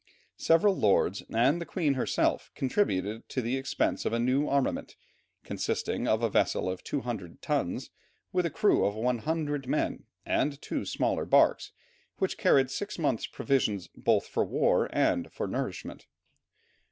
Several lords and the Queen herself contributed to the expense of a new armament, consisting of a vessel of 200 tons, with a crew of 100 men, and two smaller barks, which carried six months' provision both for war and for nourishment.